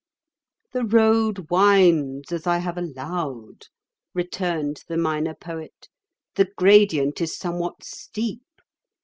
"The road winds, as I have allowed," returned the Minor Poet; "the gradient is somewhat steep.